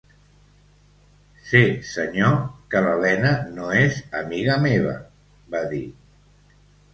"Sé, senyor, que l'Helena no és amiga meva", va dir.